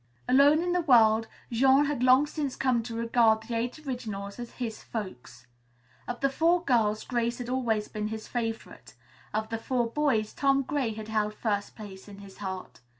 Alone in the world, Jean had long since come to regard the Eight Originals as "his folks." Of the four girls, Grace Harlowe had always been his favorite. Of the four boys, Tom Gray had held first place in his heart.